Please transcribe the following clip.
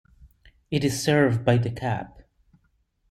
It is served by the Cap.